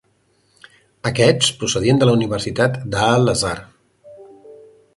Aquests procedien de la Universitat d'Al-Azhar.